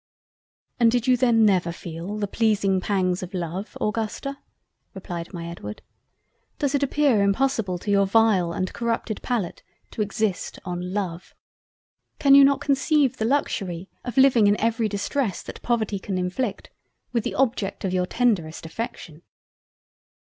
"And did you then never feel the pleasing Pangs of Love, Augusta? (replied my Edward). Does it appear impossible to your vile and corrupted Palate, to exist on Love? Can you not conceive the Luxury of living in every distress that Poverty can inflict, with the object of your tenderest affection?"